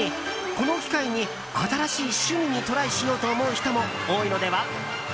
この機会に新しい趣味にトライしようと思う人も多いのでは？